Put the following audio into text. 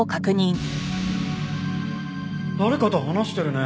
誰かと話してるね。